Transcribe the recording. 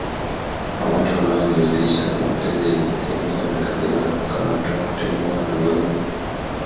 na watu wanaojihusisha na mapenzi ya jinsia moja wanakabiliwa na kukamatwa kutengwa na vurugu